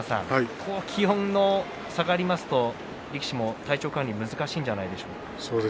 気温が下がりますと力士も体調管理が難しいんじゃないですか。